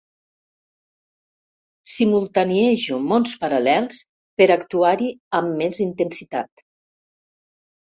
Simultaniejo mons paral·lels per actuar-hi amb més intensitat.